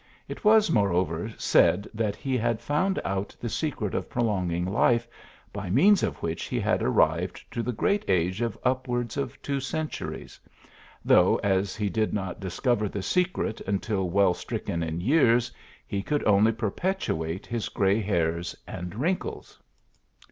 It was moreover said that he had found out the secret of prolonging life, by means of which he had arrived to the great age of upwards of two centuries ; though, as he did not discover the secret until well stricken in years, he could only perpetuate his gray hairs and wrinkles.